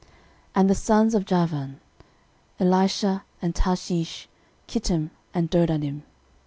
13:001:007 And the sons of Javan; Elishah, and Tarshish, Kittim, and Dodanim.